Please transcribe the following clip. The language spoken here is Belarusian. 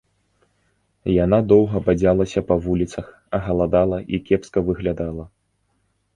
Яна доўга бадзялася па вуліцах, галадала і кепска выглядала.